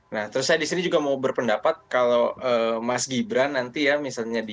nah terus saya disini juga mau berpendapat kalau mas gibran nanti ya misalnya di